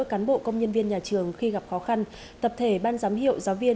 cán bộ công nhân viên nhà trường khi gặp khó khăn tập thể ban giám hiệu giáo viên